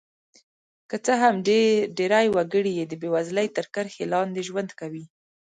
که څه هم ډېری وګړي یې د بېوزلۍ تر کرښې لاندې ژوند کوي.